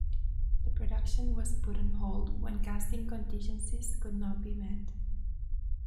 The production was put on hold when casting contingencies could not be met.